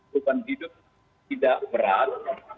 hukuman tidak berat